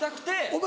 お前